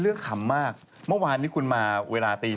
เรื่องขำมากเมื่อวานที่คุณมาเวลาตี๔